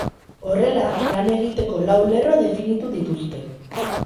Horrela, lan egiteko lau lerro definitu dituzte.